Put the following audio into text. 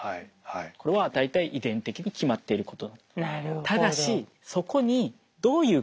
これは大体遺伝的に決まっていること。